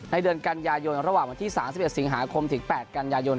เดือนกันยายนระหว่างวันที่๓๑สิงหาคมถึง๘กันยายน